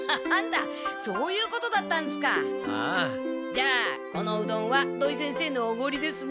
じゃあこのうどんは土井先生のおごりですね。